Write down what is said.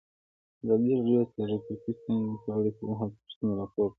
ازادي راډیو د ټرافیکي ستونزې په اړه د اصلاحاتو غوښتنې راپور کړې.